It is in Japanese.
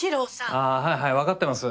あぁはいはいわかってます